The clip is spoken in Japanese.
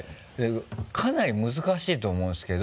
かなり難しいと思うんですけど。